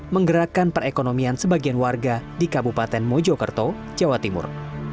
menggerakkan perekonomian sebagian warga di kabupaten mojokerto jawa timur